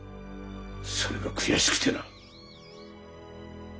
それが悔しくてな。